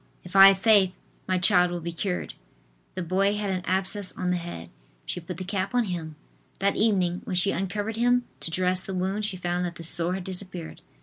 If I have faith, my child will be cured." The boy had an abscess on the head. She put the cap on him. That evening, when she uncovered him to dress the wound, she found that the sore had disappeared.